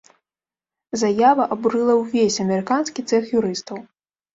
Заява абурыла ўвесь амерыканскі цэх юрыстаў.